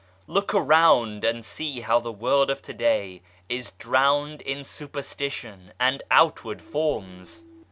Look around and see how the world of to day is drowned in superstition and outward forms